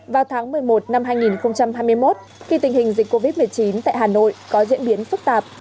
vào tháng một mươi một năm hai nghìn hai mươi một khi tình hình dịch covid một mươi chín tại hà nội có diễn biến phức tạp